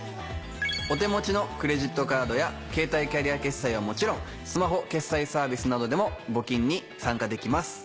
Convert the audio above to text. お手持ちのクレジットカードや携帯キャリア決済はもちろんスマホ決済サービスなどでも募金に参加できます。